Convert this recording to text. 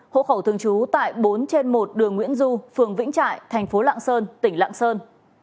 hộ khẩu thường trú tại bốn trên một đường nguyễn du phường vĩnh trại thành phố lạng sơn tỉnh lạng sơn